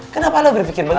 kenapa lo berfikir begitu